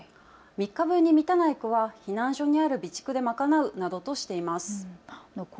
３日分に満たない区は避難所にある備蓄で賄うとしています。